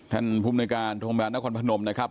ท่านผู้บริการทมนพนมนะครับ